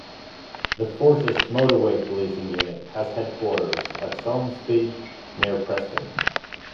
The force's motorway policing unit has headquarters at Samlesbury near Preston.